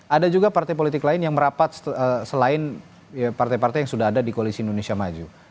ada juga partai politik lain yang merapat selain partai partai yang sudah ada di koalisi indonesia maju